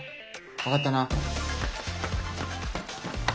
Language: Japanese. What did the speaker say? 分かったな？